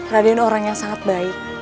raden orang yang sangat baik